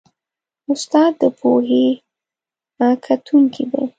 استاد د پوهې کښتونکی دی.